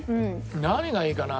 何がいいかな？